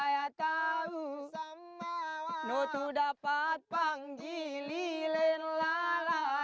saya ro partie uu surin who ternyata supporting bootyapu itu pusgo purwokerto juga